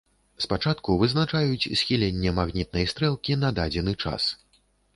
Спачатку вызначаюць схіленне магнітнай стрэлкі на дадзены час.